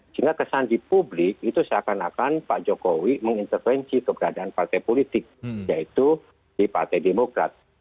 sehingga kesan di publik itu seakan akan pak jokowi mengintervensi keberadaan partai politik yaitu di partai demokrat